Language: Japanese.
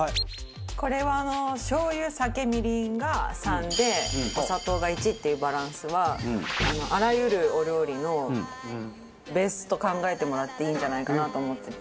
これはしょう油酒みりんが３でお砂糖が１っていうバランスはあらゆるお料理のベースと考えてもらっていいんじゃないかなと思ってて。